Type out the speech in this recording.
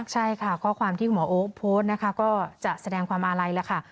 ใช่ค่ะข้อความที่คุณหมอโอ๊คโพสต์นะคะก็จะแสดงความอาลัยแล้วค่ะ